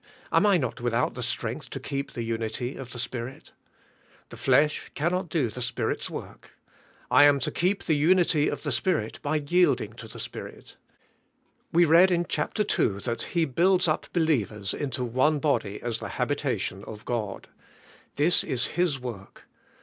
Am I not without the strength to keep the unity of the Spirit? The flesh cannot do the Spirit's work. I am to keep the unity of the Spirit by j^elding to the Spirit. We read in chap ter two that He builds up believers into one body as the habitation of God. This is His work.